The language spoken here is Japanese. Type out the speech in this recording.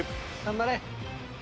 頑張れ！